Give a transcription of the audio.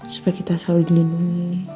supaya kita selalu dilindungi